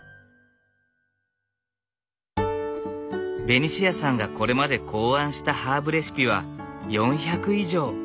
ベニシアさんがこれまで考案したハーブレシピは４００以上。